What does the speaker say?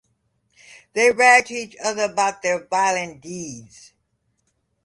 They brag to each other about their violent deeds.